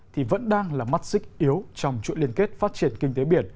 thì vẫn đang là mắt xích yếu trong chuỗi liên kết phát triển kinh tế biển